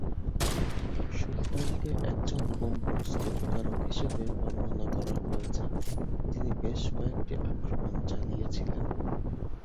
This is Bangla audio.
সুলতানকে একজন বোমা প্রস্তুতকারক হিসাবে বর্ণনা করা হয়েছে, যিনি বেশ কয়েকটি আক্রমণ চালিয়েছিলেন।